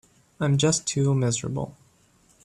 I'm just too miserable.